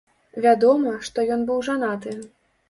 Вядома, што ён быў жанаты.